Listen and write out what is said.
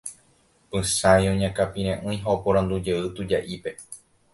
Pychãi oñakãpire'ỹi ha oporandujey tuja'ípe.